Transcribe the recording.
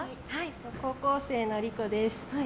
高校生の、りこです。